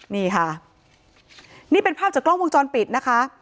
นี่ค่ะนี่เป็นภาพจากกล้องวงจรปิดนะคะ